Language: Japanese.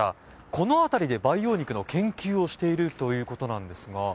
この辺りで培養肉の研究をしているということなんですが。